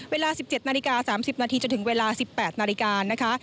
เวลา๑๗นาฬิกา๓๐นาทีจนถึงเวลา๑๘นาฬิกานะคะ